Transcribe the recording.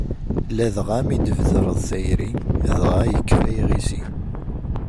Ladɣa mi d-tbedreḍ tayri, dɣa yekfa yiɣisi.